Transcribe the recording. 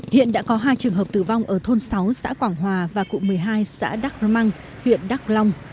hiện đã có hai trường hợp tử vong ở thôn sáu xã quảng hòa và cụ một mươi hai xã đắk rơ măng huyện đắk long